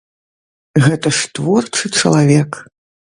Гэта ж творчы чалавек!